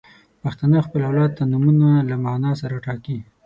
• پښتانه خپل اولاد ته نومونه له معنا سره ټاکي.